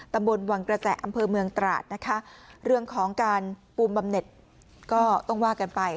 ตำบลวังกระแสอำเภอเมืองตราดนะคะเรื่องของการปูมบำเน็ตก็ต้องว่ากันไป